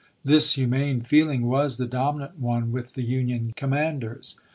This hu mane feeling was the dominant one with the Union commanders.